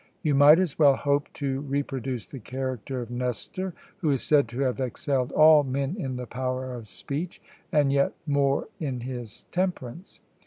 You might as well hope to reproduce the character of Nestor, who is said to have excelled all men in the power of speech, and yet more in his temperance.